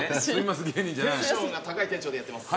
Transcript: テンションが高い店長でやってます。